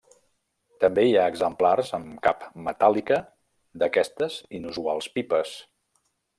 També hi ha exemplars amb cap metàl·lica d'aquestes inusuals pipes.